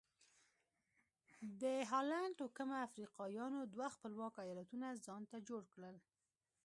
د هالنډ توکمه افریقایانو دوه خپلواک ایالتونه ځانته جوړ کړل.